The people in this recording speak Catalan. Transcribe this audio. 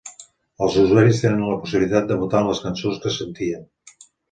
Els usuaris tenien la possibilitat de votar les cançons que sentien.